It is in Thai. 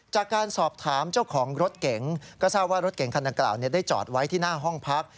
จากการสอบถามเจ้าของรถเก๋งก็ทราบว่ารถเก่งคันดังกล่าวได้จอดไว้ที่หน้าห้องพัก